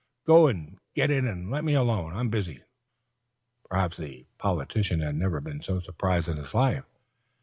Go and get it and let me alone. I'm busy." Perhaps the politician had never been so surprised in his life.